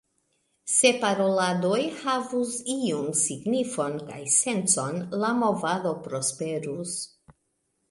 Se paroladoj havus iun signifon kaj sencon, la movado prosperus.